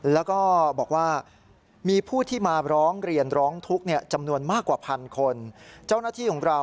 แล้วก็บอกว่า